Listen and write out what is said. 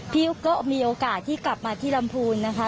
พี่ก็มีโอกาสที่กลับมาที่ลำพูนนะคะ